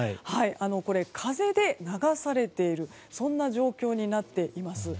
これ、風で流されているそんな状況になっています。